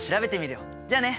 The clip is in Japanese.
じゃあね！